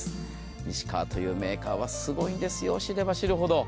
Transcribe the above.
西川というメーカーはすごいんですよ、知れば知るほど。